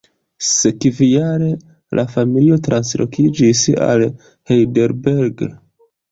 Sekvajare, la familio translokiĝis al Heidelberg.